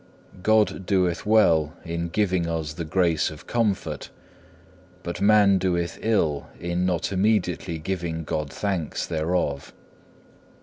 God doeth well in giving us the grace of comfort, but man doeth ill in not immediately giving God thanks thereof.